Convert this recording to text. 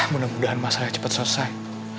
mudah mudahan masalahnya cepat selesai